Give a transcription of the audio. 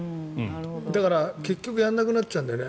だから結局やらなくなっちゃうんだよね。